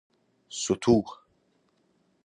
ستوه